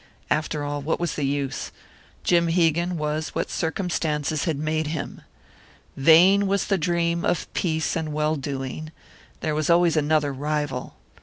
After all, what was the use? Jim Hegan was what circumstances had made him. Vain was the dream of peace and well doing there was always another rival!